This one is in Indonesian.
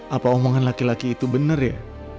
apa omongan laki laki itu benar ya